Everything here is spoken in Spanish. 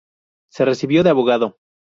Se recibió de abogado.